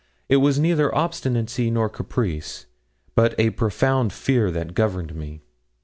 It was neither obstinacy nor caprice, but a profound fear that governed me.